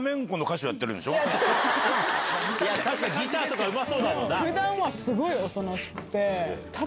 確かにギターとかうまそうだもんな。